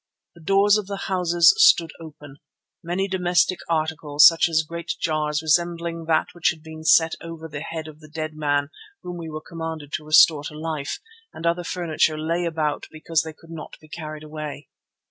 The doors of the houses stood open, many domestic articles, such as great jars resembling that which had been set over the head of the dead man whom we were commanded to restore life, and other furniture lay about because they could not be carried away.